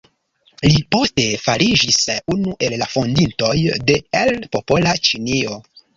Li poste fariĝis unu el la fondintoj de "El Popola Ĉinio".